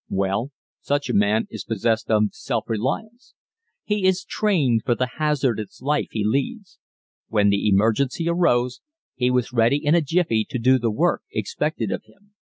Well, such a man is possessed of self reliance. He is trained for the hazardous life he leads. When the emergency arose he was ready in a jiffy to do the work expected of him.